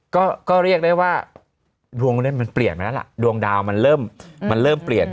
ก็เรียกได้ว่าดวงเล่นมันเปลี่ยนไปแล้วล่ะดวงดาวมันเริ่มมันเริ่มเปลี่ยน